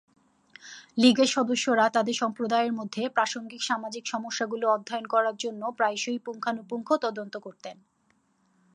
লীগের সদস্যরা তাদের সম্প্রদায়ের মধ্যে প্রাসঙ্গিক সামাজিক সমস্যাগুলি অধ্যয়ন করার জন্য প্রায়শই পুঙ্খানুপুঙ্খ তদন্ত করতেন।